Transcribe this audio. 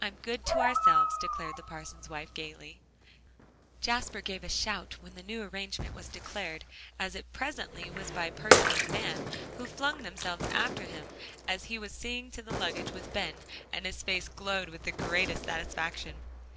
"I'm good to ourselves," declared the parson's wife gaily. Jasper gave a shout when the new arrangement was declared, as it presently was by Percy and Van, who flung themselves after him as he was seeing to the luggage with Ben, and his face glowed with the greatest satisfaction.